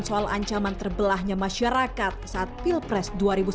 soal ancaman terbelahnya masyarakat saat pilpres dua ribu sembilan belas